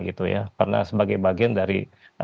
gitu ya karena sebagai bagian dari